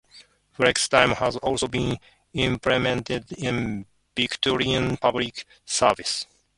Flexi-time has also been implemented in the Victorian Public Service.